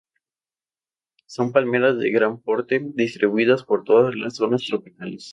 Son palmeras de gran porte, distribuidas por todas las zonas tropicales.